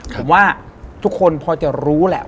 ผมว่าทุกคนพอจะรู้แหละ